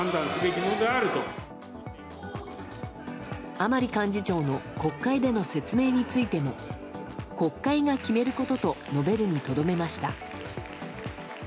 甘利幹事長の国会での説明についても国会が決めることと述べるにとどめました。